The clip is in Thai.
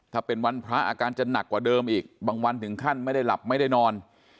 ถ้าเป็นวันพระอาการจะหนักกว่าเดิมอีกบางวันถึงขั้นไม่ได้หลับไม่ได้นอน